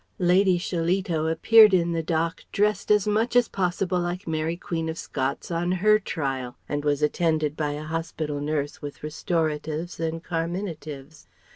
Lady Shillito appeared in the dock dressed as much as possible like Mary, Queen of Scots on her trial; and was attended by a hospital nurse with restoratives and carminatives.